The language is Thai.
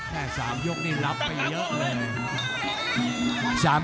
๓ยกนี่รับไปเยอะเลย